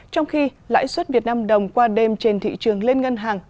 trong khi lãi suất việt nam đồng qua đêm trên thị trường lên ngân hàng